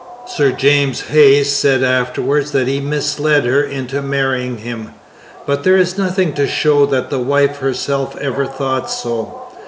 Sir James Hayes said afterwards that he 'misled her into marrying him,' but there is nothing to show that the wife herself ever thought so.